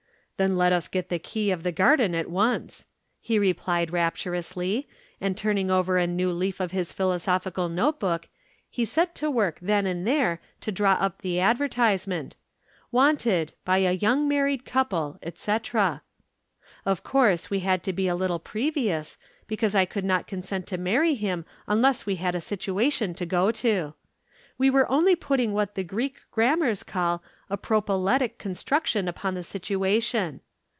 'Then let us get the key of the garden at once,' he replied rapturously, and turning over a new leaf of his philosophical note book, he set to work then and there to draw up the advertisement: 'Wanted by a young married couple, etc.' Of course we had to be a little previous, because I could not consent to marry him unless we had a situation to go to. We were only putting what the Greek grammars call a proleptic construction upon the situation.